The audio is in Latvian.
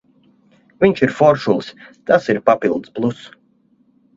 Viņš ir foršulis, tas ir papildu pluss.